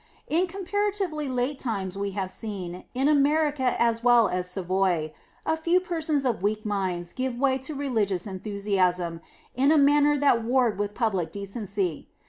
In comparatively late times we have seen, in America as well as Savoy, a few persons of weak minds give way to religious enthusiasm in a manner that warred with public decency.